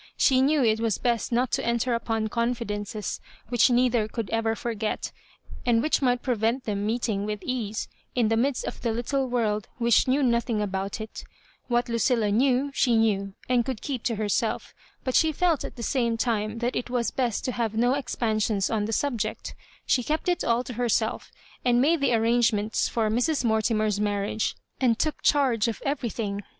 She knew it was best not to enter upon confidences which neither could ever forget, and which might prevent them meeting with ease in the midst of the little world which knew nothing about it What Lucilla knew, she knew, and could keep to herself; but she felt at the same time that it was best to have no expansions on the subject She kept it all to herself, and made the arrangements for Mrs. Mortimer's marriage, and took charge of everything.